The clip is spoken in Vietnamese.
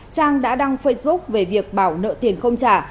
trang đã đăng facebook về việc bảo nợ tiền không trả